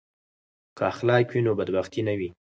که اخلاق وي نو بدبختي نه وي.